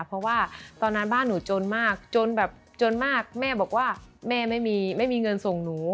เพราะว่าตอนนั้นบ้านหนูจนมากจนแบบจนมากแม่บอกว่าแม่ไม่มีไม่มีเงินส่งหนู